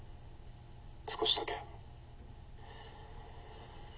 少しだけ。